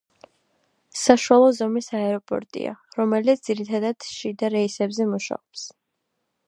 საშუალო ზომის აეროპორტია, რომელიც ძირითადად შიდა რეისებზე მუშაობს.